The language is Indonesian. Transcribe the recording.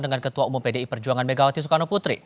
dengan ketua umum pdi perjuangan megawati soekarno putri